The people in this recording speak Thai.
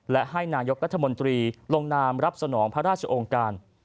และให้นายกรัฐมนตรีลงนามรับสนองพระราชองค์การ